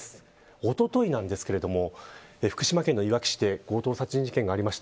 おとといなんですけど福島県いわき市で強盗殺人事件がありました。